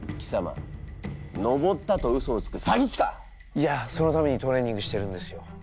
いやそのためにトレーニングしてるんですよ。